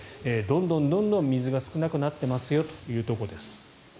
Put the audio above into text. どんどん水が少なくなってますよというところです。